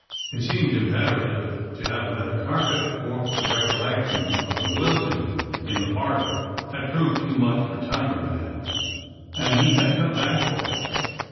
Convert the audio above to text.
It seemed imperative to have another carpet, for the recollection of the Wilton in the parlor had proved too much for Tigerman, and he had come back for it.